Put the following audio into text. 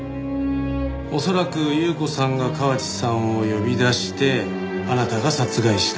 恐らく優子さんが河内さんを呼び出してあなたが殺害した。